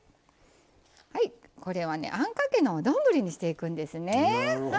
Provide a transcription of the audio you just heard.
あんかけのお丼にしていくんですね。